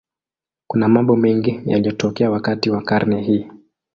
Kuna mambo mengi yaliyotokea wakati wa karne hii.